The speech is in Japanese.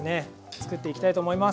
作っていきたいと思います。